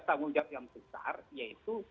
tanggung jawab yang besar yaitu